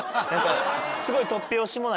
すごい。